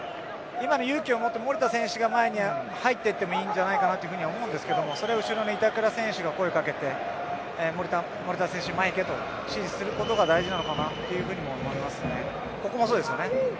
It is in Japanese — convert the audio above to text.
今の勇気を持って守田選手が前に入っていってもいいと思うんですけどそれは後ろの後ろの板倉選手が声をかけて守田選手、前行けと指示することが大事なのかなとも思いますね。